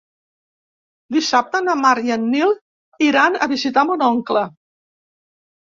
Dissabte na Mar i en Nil iran a visitar mon oncle.